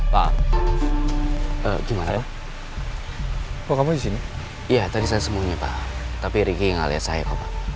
pak gimana kok kamu di sini iya tadi saya semuanya pak tapi riki nggak lihat saya kok pak